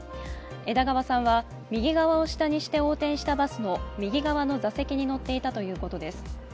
枝川さんは右側を下にして横転したバスの右側の座席に乗っていたということです。